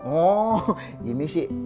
oh ini sih